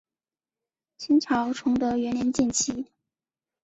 清朝崇德元年建旗。